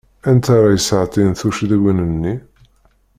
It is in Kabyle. Anta ara iseɣtin tuccḍiwin-nni?